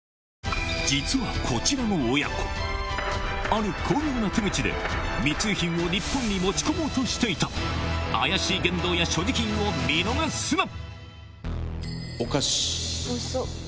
ある巧妙な手口で密輸品を日本に持ち込もうとしていた怪しい言動や所持品を見逃すな！